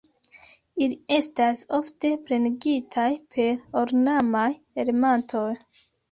Ili estas ofte plenigitaj per ornamaj elementoj.